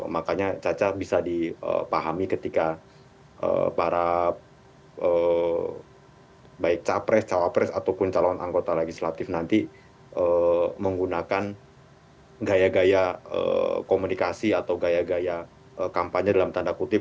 makanya caca bisa dipahami ketika para baik capres cawapres ataupun calon anggota legislatif nanti menggunakan gaya gaya komunikasi atau gaya gaya kampanye dalam tanda kutip